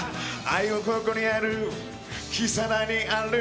愛はここにある。